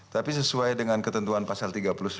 tapi sesuai dengan ketentuan pasal tiga puluh sembilan